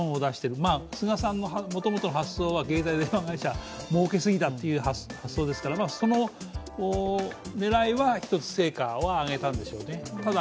そもそもの菅さんの発想は携帯電話会社、儲けすぎだという発想ですからその狙いは一つ成果は挙げたんでしょうね。